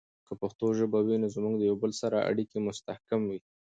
که پښتو ژبه وي، نو زموږ د یوه بل سره اړیکې مستحکم وي.